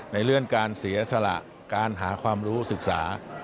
ในเรื่องการเสียสละการหาความรู้ศึกษา